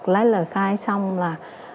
lấy lời khai xong là